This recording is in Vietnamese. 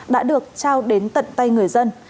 đã được trao đến tận tay người dân